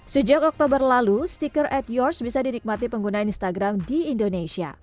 sejak oktober lalu stiker ad yours bisa dinikmati pengguna instagram di indonesia